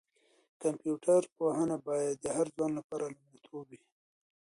کمپيوټر پوهنه باید د هر ځوان لپاره لومړیتوب وي.